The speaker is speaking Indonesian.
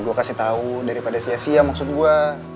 gua kasih tau daripada sia sia maksud gua